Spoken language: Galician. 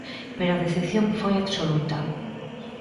Pero a decepción foi absoluta.